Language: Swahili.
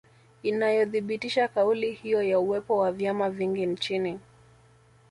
Inayothibitisha kauli hiyo ya uwepo wa vyama vingi nchini